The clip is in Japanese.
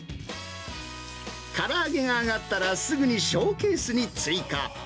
から揚げが揚がったらすぐにショーケースに追加。